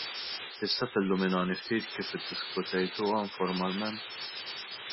Tista' tilluminani ftit kif iddiskutejtuha informalment?